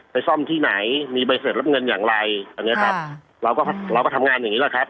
ไปซ่อมที่ไหนมีใบเสร็จรับเงินอย่างไรเราก็ทำงานอย่างนี้แหละครับ